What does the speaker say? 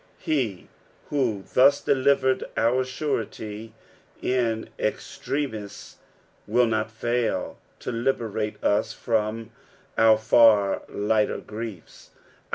He who thus delivered our surety in extremi*, will not fail to liberate us from our far lighter griefs.